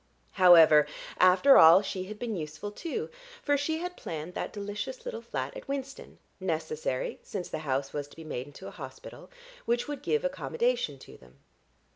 However, after all, she had been useful too, for she had planned that delicious little flat at Winston (necessary, since the house was to be made into a hospital), which would give accommodation to them.